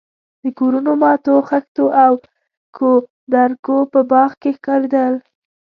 د کورونو ماتو خښتو او کودرکو په باغ کې ښکارېدل.